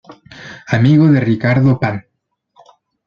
Amigo de Ricardo Pan.